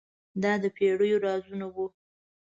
دا د پیړیو رازونه وو.